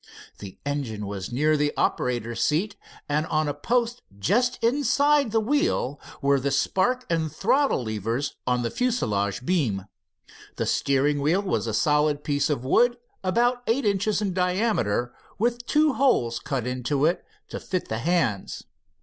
The engine was near the operator's seat, and on the post just under the wheel were the spark and throttle levers on the fuselage beam. The steering wheel was a solid piece of wood about eight inches in diameter with two holes cut into it to fit the hands.